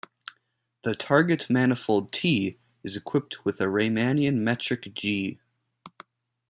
The target manifold "T" is equipped with a Riemannian metric "g".